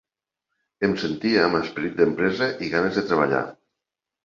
Em sentia amb esperit d'empresa i ganes de treballar.